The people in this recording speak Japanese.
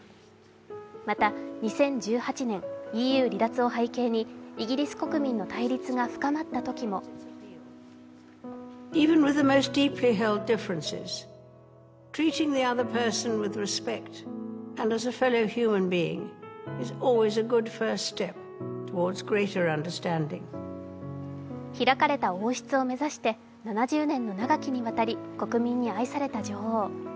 また、２０１８年、ＥＵ離脱を背景にイギリス国民の対立が深まったときも開かれた王室を目指して７０年の長きにわたり国民に愛された女王。